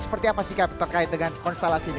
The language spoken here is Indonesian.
seperti apa sih terkait dengan konstalasi ini